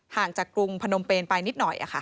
ห่างจากกรุงพนมเปนไปนิดหน่อย